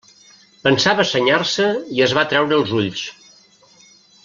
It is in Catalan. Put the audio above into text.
Pensava senyar-se i es va treure els ulls.